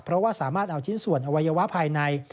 เพราะว่าสามารถเอาชิ้นส่วนอวัยวะภายใน